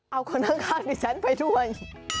เอาคนข้างดิฉันไปด้วย